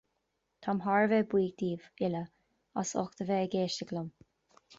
Táim thar a bheith buíoch daoibh uile as ucht a bheith ag éisteacht liom